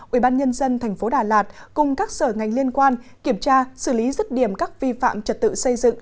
ủy ban nhân dân tp đà lạt cùng các sở ngành liên quan kiểm tra xử lý rứt điểm các vi phạm trật tự xây dựng